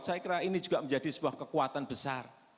saya kira ini juga menjadi sebuah kekuatan besar